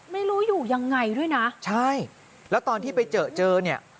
ไม่รู้อยู่ยังไงด้วยนะใช่แล้วตอนที่ไปเจอเจอเนี่ย